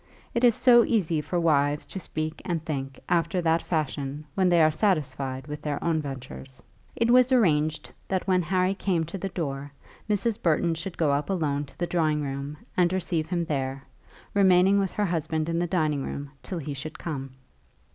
It is so easy for wives to speak and think after that fashion when they are satisfied with their own ventures. It was arranged that when Harry came to the door, Mrs. Burton should go up alone to the drawing room and receive him there, remaining with her husband in the dining room till he should come.